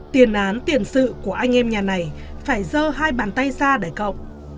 tiền án tiền sự của anh em nhà này phải dơ hai bàn tay ra để cộng